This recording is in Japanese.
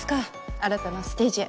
新たなステージへ。